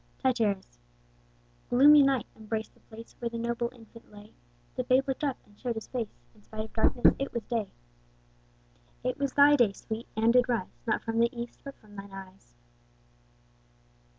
Tityrus. Gloomy night embrac'd the place Where the noble infant lay: The babe looked up, and show'd his face, In spite of darkness it was day. It was thy day, Sweet, and did rise, Not from the east, but from thy eyes.